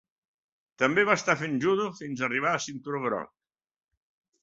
També va estar fent judo fins a arribar a cinturó groc.